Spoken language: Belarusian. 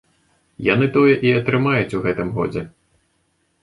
Яны тое і атрымаюць у гэтым годзе.